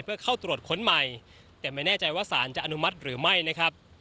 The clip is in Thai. เพื่อเข้าตรวจค้นใหม่แต่ไม่แน่ใจว่าสารจะอนุมัติหรือไม่นะครับ